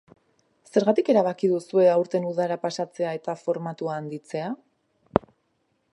Zergatik erabaki duzue aurten udara pasatzea eta formatua handitzea?